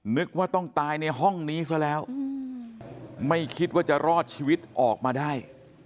นึกว่าต้องตายในห้องนี้ซะแล้วไม่คิดว่าจะรอดชีวิตออกมาได้